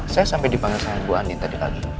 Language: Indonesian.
saya sampai dipanggil sama ibu andin tadi pagi